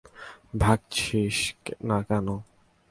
ভাগছিস না কেন?